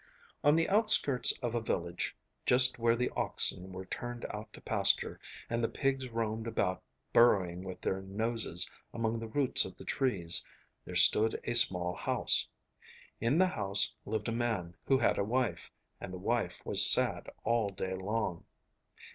On the outskirts of a village just where the oxen were turned out to pasture, and the pigs roamed about burrowing with their noses among the roots of the trees, there stood a small house. In the house lived a man who had a wife, and the wife was sad all day long.